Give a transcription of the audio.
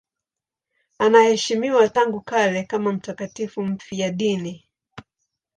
Anaheshimiwa tangu kale kama mtakatifu mfiadini.